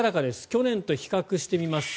去年と比較してみます。